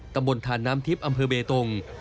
ตำบลทานน้ำทิพย์อำเภอเบตง